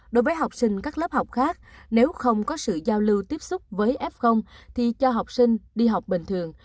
đối với học sinh các lớp học khác nếu không có sự giao lưu tiếp xúc với f thì cho học sinh đi học bình thường